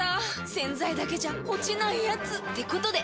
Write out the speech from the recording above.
⁉洗剤だけじゃ落ちないヤツってことで。